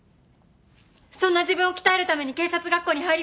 そんな自分を鍛えるために警察学校に入りました。